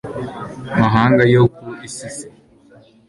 mahanga yo ku isi (x